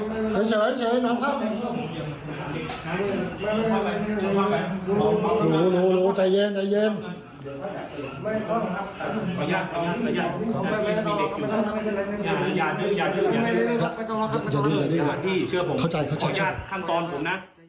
ภาพที่เชื่อผมขออนุญาตคันตอนผมนะ